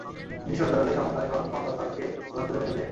তিনি সরে দাঁড়ালে সমন্বয় ফ্রন্ট মোহাস্মদ ফারুককে প্রধান করে প্যানেল দেয়।